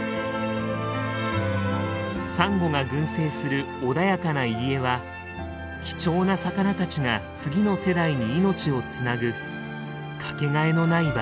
サンゴが群生する穏やかな入り江は貴重な魚たちが次の世代に命をつなぐ掛けがえのない場所でした。